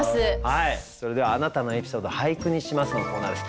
それでは「あなたのエピソード、俳句にします」のコーナーです。